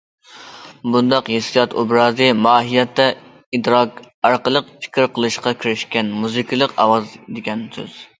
بۇنداق ھېسسىيات ئوبرازى ماھىيەتتە ئىدراك ئارقىلىق پىكىر قىلىشقا كىرىشكەن مۇزىكىلىق ئاۋاز دېگەن سۆز.